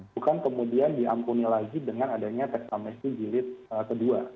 bukan kemudian diampuni lagi dengan adanya tax amnesty jilid ke dua